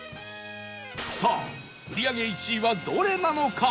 さあ売り上げ１位はどれなのか？